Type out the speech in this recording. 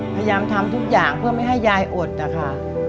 พยายามทำทุกอย่างเพื่อไม่ให้ยายอดนะคะ